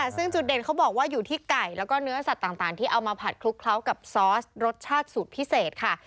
ซึ่งจุดเด่นเขาบอกว่าอยู่ที่ไก่แล้วก็เนื้อสัตว์ต่างที่เอามาผัดคลุกเคล้ากับซอสรสชาติสูตรพิเศษค่ะ